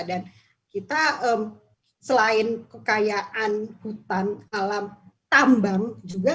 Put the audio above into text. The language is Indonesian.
dan kita selain kekayaan hutan alam tambang juga